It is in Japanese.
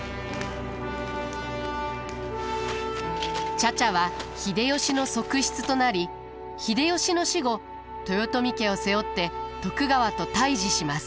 茶々は秀吉の側室となり秀吉の死後豊臣家を背負って徳川と対じします。